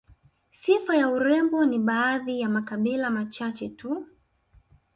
Sifa ya urembo ni baadhi ya makabila machache tu